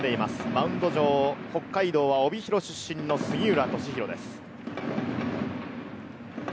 マウンド上、北海道は帯広出身の杉浦稔大です。